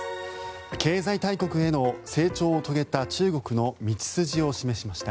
経済大国への成長を遂げた中国の道筋を示しました。